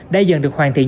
đã dần được hoàn thiện